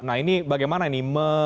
nah ini bagaimana ini